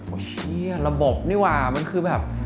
เนี่ยระบบนี่ว่ามันคือแบบ